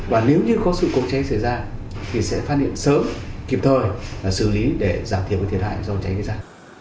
và nếu như có sức cố cháy xảy ra thì sẽ phát hiện sớm kịp thời và xử lý để giảm thiểu thiệt hại do cháy xảy ra